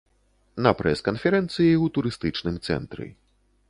На прэс-канферэнцыі ў турыстычным цэнтры.